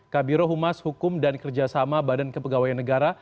kabiro humas hukum dan kerjasama badan kepegawaian negara